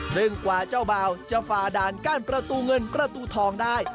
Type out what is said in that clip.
หนึ่งกว่าเจ้าบ่าวจะฝ่าด่านกั้นประตูเงินประตูทองได้